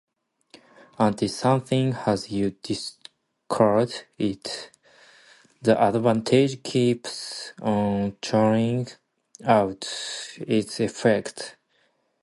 Until something has you discard it, the advantage keeps on churning out its effect.